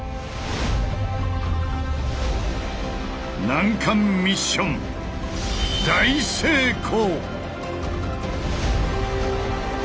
難関ミッション大成功！